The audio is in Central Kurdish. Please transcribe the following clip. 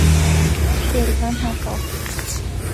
بێریڤان هاتەوە